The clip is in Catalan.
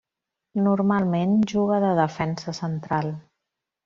Normalment juga de defensa central.